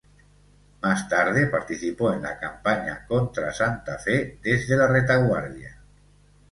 Más tarde participó en la campaña contra Santa Fe desde la retaguardia.